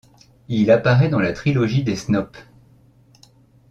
Il apparaît dans la trilogie des Snopes.